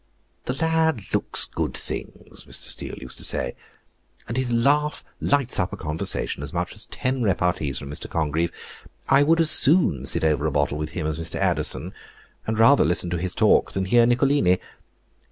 "The lad looks good things," Mr. Steele used to say; "and his laugh lights up a conversation as much as ten repartees from Mr. Congreve. I would as soon sit over a bottle with him as with Mr. Addison; and rather listen to his talk than hear Nicolini.